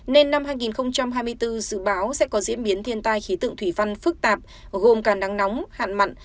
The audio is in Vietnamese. nên năm hai nghìn hai mươi bốn dự báo sẽ có diễn biến thiên tai khí tượng thủy văn phức tạp gồm cả nắng nóng hạn mặn